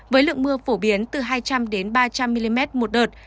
với lượng mưa phổ biến từ hai trăm linh ba trăm linh mm một đợt